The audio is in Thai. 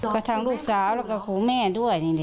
ก็ทั้งลูกสาวแล้วก็ครูแม่ด้วยนี่แหละ